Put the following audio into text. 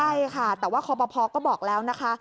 ใช่ค่ะแต่ว่าคอปภก็บอกแล้วนะคะ